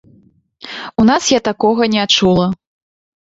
У нас я такога не чула.